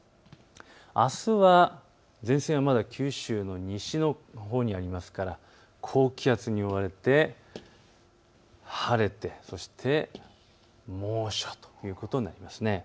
あすは前線はまだ九州の西のほうにありますから高気圧に覆われて晴れて、そして猛暑ということになります。